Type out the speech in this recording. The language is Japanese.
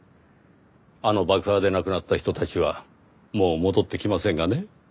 あの爆破で亡くなった人たちはもう戻ってきませんがね。